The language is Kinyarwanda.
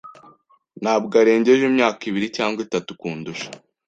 Ntabwo arengeje imyaka ibiri cyangwa itatu kundusha.